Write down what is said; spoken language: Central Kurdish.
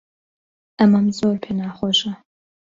ئەمەم زۆر پێ ناخۆشە.